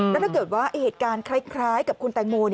แล้วถ้าเกิดว่าเหตุการณ์คล้ายกับคุณแตงโม